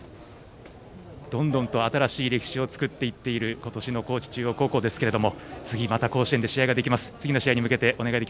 どんどん新しい歴史を作っている今年の高知中央高校ですけども次、また甲子園で試合ができます。